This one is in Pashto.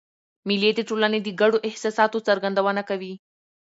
مېلې د ټولني د ګډو احساساتو څرګندونه کوي.